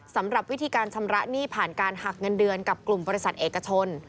สำหรับวิธีการชำระหนี้ผ่านการหักเงินเดือนกับกลุ่มบริษัทเอกชน